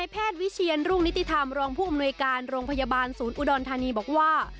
แพทย์วิเชียนรุ่งนิติธรรมรองผู้อำนวยการโรงพยาบาลศูนย์อุดรธานีบอกว่า